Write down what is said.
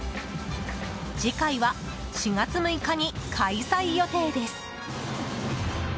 次回は４月６日に開催予定です。